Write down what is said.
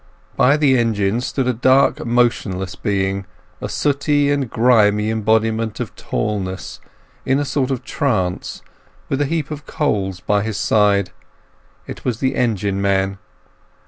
By the engine stood a dark, motionless being, a sooty and grimy embodiment of tallness, in a sort of trance, with a heap of coals by his side: it was the engine man.